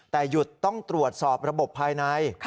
แต่หยุดต้องตรวจสอบระบบภายใน